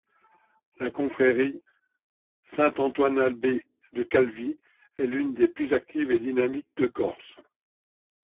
La confrérie Saint-Antoine-Abbé de Calvi est l'une des plus actives et dynamiques de Corse.